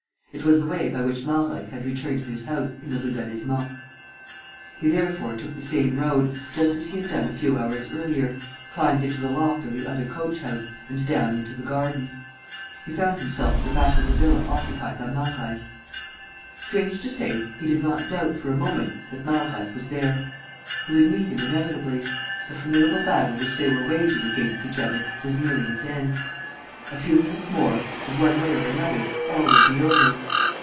It was the way by which Malreich had returned to his house in the Rue Delaizement. He, therefore, took the same road, just as he had done a few hours earlier, climbed into the loft of the other coach house and down into the garden. He found himself at the back of the villa occupied by Malreich. Strange to say, he did not doubt, for a moment that Malreich was there. He would meet him inevitably; the formidable battle which they were waging against each other was nearing its end. A few minutes more and, one way or another, all would be over.